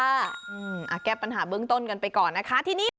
อ่าแก้ปัญหาเบื้องต้นกันไปก่อนนะคะทีนี้